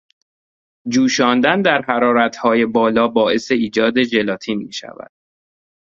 جوشاندن در حرارتهای بالا باعث ایجاد ژلاتین میشود.